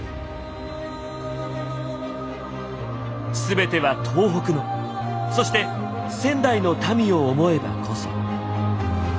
全ては東北のそして仙台の民を思えばこそ。